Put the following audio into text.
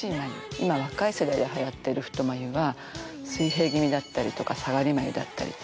今、若い世代ではやっている太眉は水平気味だったりとか下がり眉だったり。